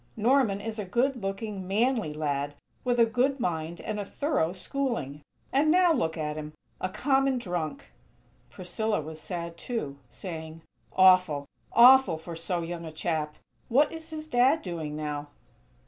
Norman is a good looking, manly lad, with a good mind and a thorough schooling. And now look at him! A common drunk!!" Priscilla was sad, too, saying: "Awful! Awful for so young a chap. What is his Dad doing now?"